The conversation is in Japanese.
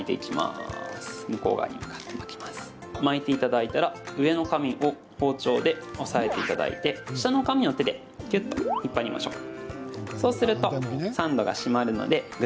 巻いていただいたら上の紙を包丁で押さえていただいて下の紙を手できゅっと引っ張りましょう。